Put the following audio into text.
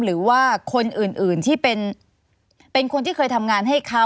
หรือว่าคนอื่นที่เป็นคนที่เคยทำงานให้เขา